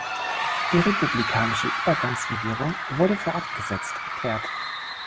Die republikanische Übergangsregierung wurde für abgesetzt erklärt.